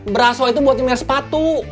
braso itu buat nyemir sepatu